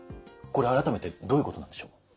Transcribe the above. これ改めてどういうことなんでしょう。